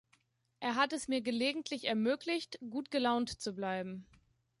Er hat es mir gelegentlich ermöglicht, gut gelaunt zu bleiben.